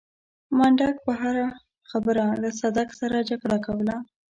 منډک به پر هره خبره له صدک سره جګړه کوله.